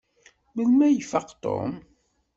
Melmi ay ifaq Tom?